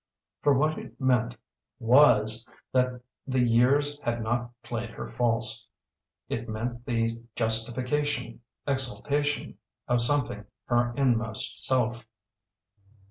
For what it meant Was that the years had not played her false. It meant the justification exaltation of something her inmost self.